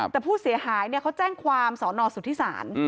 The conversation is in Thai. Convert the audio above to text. แต่ผู้เสียหายเขาแจ้งความสอนอสุทธิศาล